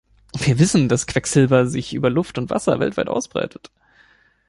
Wir wissen, dass Quecksilber sich über Wasser und Luft weltweit ausbreitet.